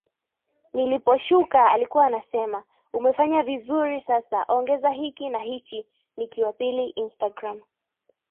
niliposhuka alikuwa anasema umefanya vizuri sasa ongeza hiki na hichi Nikki wa pili Instagram